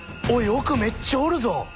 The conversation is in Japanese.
奥めっちゃおるぞ。